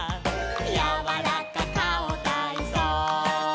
「やわらかかおたいそう」